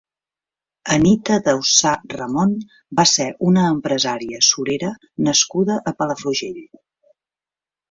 Anita Daussà Ramon va ser una empresària surera nascuda a Palafrugell.